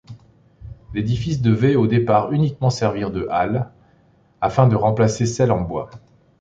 L'édifice devait au départ uniquement servir de halle, afin de remplacer celle en bois.